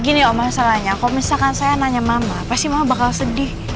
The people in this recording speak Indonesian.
gini om masalahnya kalau misalkan saya nanya mama pasti mama bakal sedih